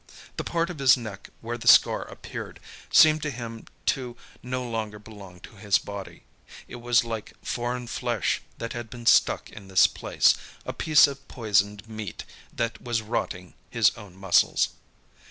The part of his neck where the scar appeared, seemed to him to no longer belong to his body; it was like foreign flesh that had been stuck in this place, a piece of poisoned meat that was rotting his own muscles.